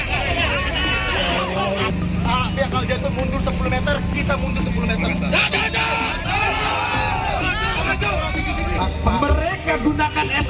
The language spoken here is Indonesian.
dan juga membuatnya menjadi sebuah perusahaan yang sangat berharga